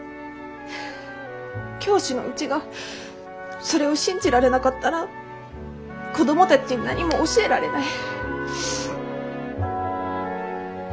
教師のうちがそれを信じられなかったら子供たちに何も教えられない。